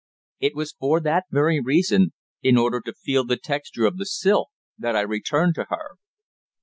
It was for that very reason in order to feel the texture of the silk that I returned to her.